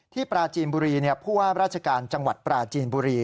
ปราจีนบุรีผู้ว่าราชการจังหวัดปราจีนบุรี